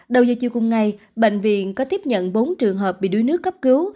đầu giờ chiều cùng ngày bệnh viện có tiếp nhận bốn trường hợp bị đuối nước cấp cứu